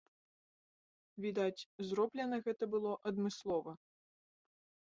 Відаць, зроблена гэта было адмыслова.